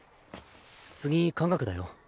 次化学だよ。